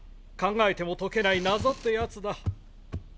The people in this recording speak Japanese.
考えても解けない謎ってやつだ。